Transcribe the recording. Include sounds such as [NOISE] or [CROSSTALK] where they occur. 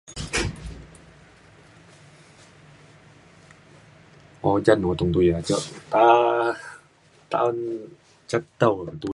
[NOISE] Ojan utung tuie acuk. Nta, ntaun ca tau ne tuie.